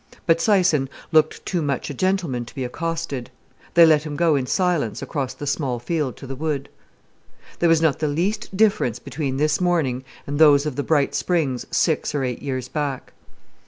But Syson looked too much a gentleman to be accosted. They let him go in silence across the small field to the wood. There was not the least difference between this morning and those of the bright springs, six or eight years back.